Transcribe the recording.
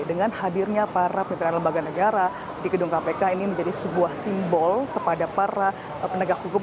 dengan hadirnya para pimpinan lembaga negara di gedung kpk ini menjadi sebuah simbol kepada para penegak hukum